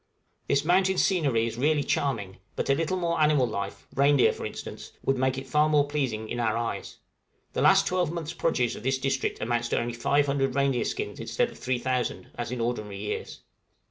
This mountain scenery is really charming; but a little more animal life reindeer, for instance would make it far more pleasing in our eyes. The last twelvemonth's produce of this district amounts only to 500 reindeer skins instead of 3000, as in ordinary years.